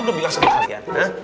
udah bilang sama kalian